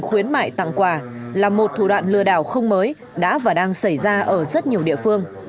khuyến mại tặng quà là một thủ đoạn lừa đảo không mới đã và đang xảy ra ở rất nhiều địa phương